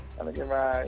terima kasih banyak